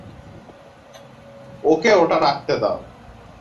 ওকে ওটা রাখতে দাও।